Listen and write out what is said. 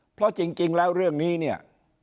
เพราะจริงแล้วเรื่องนี้เนี่ย